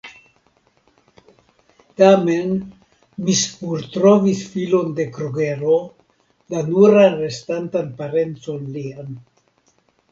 Tamen, mi spurtrovis filon de Krugero, la nuran restantan parencon lian.